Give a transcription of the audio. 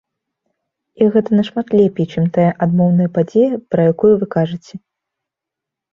І гэта нашмат лепей, чым тая адмоўная падзея, пра якую вы кажаце.